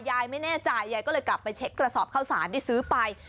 ยายไม่แน่ใจยายก็เลยกลับไปเช็คกระสอบข้าวสารที่ซื้อไป